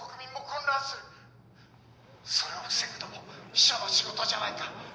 「それを防ぐのも秘書の仕事じゃないか」